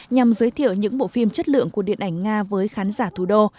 nhằm giới thiệu những bộ phim chất lượng của điện ảnh nga với khán giả thủ đô